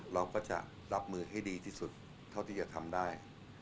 เราก็จะรับมือให้ดีที่สุดเท่าที่จะทำได้